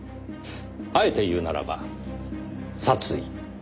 あえて言うならば殺意。